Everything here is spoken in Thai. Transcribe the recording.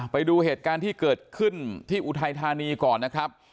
ไปดูเหตุการณ์ที่เกิดขึ้นที่อุทัยธานีก่อนนะครับ